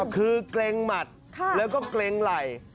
คือเกรงหมัดแล้วก็เกร็งไหล่